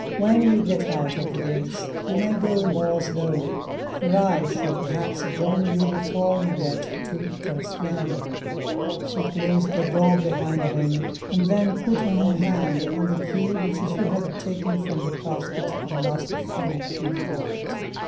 When you get out of the gates you may go more slowly, for I shall perhaps join you before you get to Trespiano." She closed the door behind him, and then put her hand on the key which she had taken from the casket the last thing in the night.